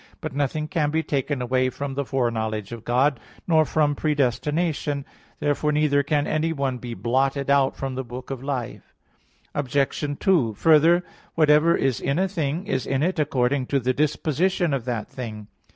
But nothing can be taken away from the foreknowledge of God, nor from predestination. Therefore neither can anyone be blotted out from the book of life. Obj. 2: Further, whatever is in a thing is in it according to the disposition of that thing.